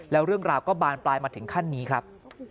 แล้วเรื่องราวก็บานปลายมาถึงขั้นนี้ครับ